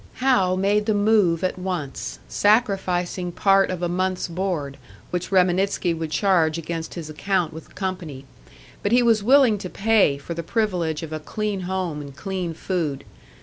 Hal made the move at once, sacrificing part of a month's board, which Reminitsky would charge against his account with the company. But he was willing to pay for the privilege of a clean home and clean food.